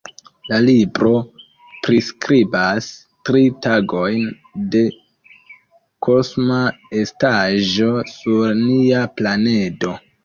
La libro priskribas tri tagojn de kosma estaĵo sur nia planedo.